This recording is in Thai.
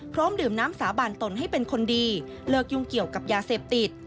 พร้อมดื่มน้ำสาบานตนให้เป็นคนดีเลิกยุ่งเกี่ยวกับยาเสพติด